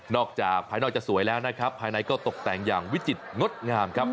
จากภายนอกจะสวยแล้วนะครับภายในก็ตกแต่งอย่างวิจิตรงดงามครับ